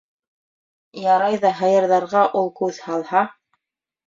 Ярай ҙа һыйырҙарға ул күҙ һалһа...